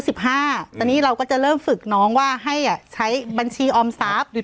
ตอนนี้เราก็จะเริ่มฝึกน้องว่าให้ใช้บัญชีออมทรัพย์